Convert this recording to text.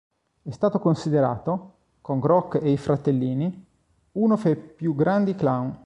È stato considerato, con Grock e i Fratellini, uno fra i più grandi clown.